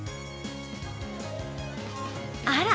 あら！